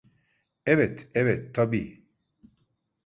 Evet, evet, tabii.